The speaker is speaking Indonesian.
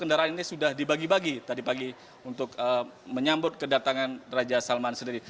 delapan ratus delapan puluh kendaraan ini sudah dibagi bagi tadi pagi untuk menyambut kedatangan raja salman sendiri